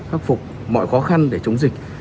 khắc phục mọi khó khăn để chống dịch